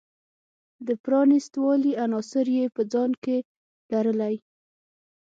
د پرانیست والي عناصر یې په ځان کې لرلی.